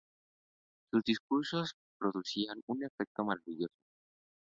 Sus discursos producían un efecto maravilloso.